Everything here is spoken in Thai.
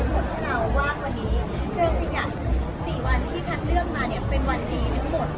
เราว่างวันนี้คือจริงอะ๔วันที่คัดเลือกมาเนี่ยเป็นวันดีทั้งหมด